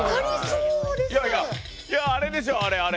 いやいやいやあれでしょうあれあれ。